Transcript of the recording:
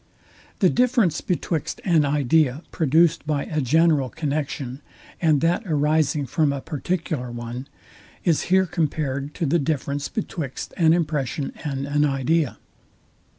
The difference betwixt an idea produced by a general connexion, and that arising from a particular one is here compared to the difference betwixt an impression and an idea.